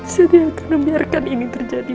saya tidak akan membiarkan ini terjadi